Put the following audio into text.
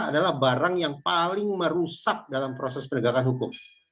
adalah barang yang paling merusak dalam proses penegakan hukum